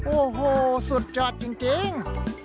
โอ้โหสุดยอดจริง